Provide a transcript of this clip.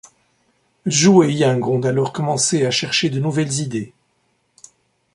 Zhu et Yang ont alors commencé à chercher de nouvelles idées.